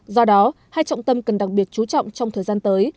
do đó hai trọng tâm cần đặc biệt chú trọng trong thời gian tới